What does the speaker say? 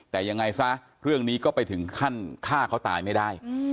แต่ยังไงซะเรื่องนี้ก็ไปถึงขั้นฆ่าเขาตายไม่ได้